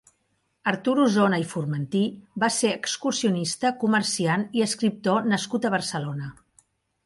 Artur Osona i Formentí va ser un excursionista, comerciant i escriptor nascut a Barcelona.